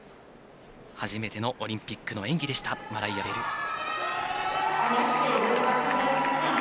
初めてのオリンピックの演技でした、マライア・ベル。